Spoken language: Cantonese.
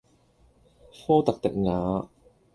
科特迪瓦